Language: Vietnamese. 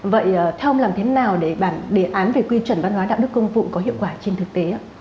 vậy theo ông làm thế nào để bản đề án về quy chuẩn văn hóa đạo đức công vụ có hiệu quả trên thực tế ạ